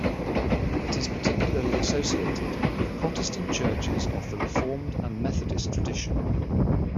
It is particularly associated with Protestant churches of the Reformed and Methodist tradition.